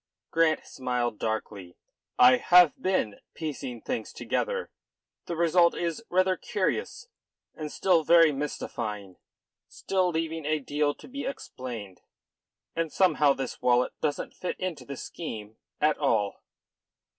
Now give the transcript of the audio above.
Grant smiled darkly. "I have been piecing things together. The result is rather curious, and still very mystifying, still leaving a deal to be explained, and somehow this wallet doesn't fit into the scheme at all."